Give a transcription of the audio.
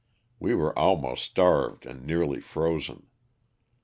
We were almost starved and nearly frozen.